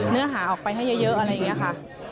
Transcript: เนื้อหาออกไปให้เยอะอะไรอย่างนี้ค่ะ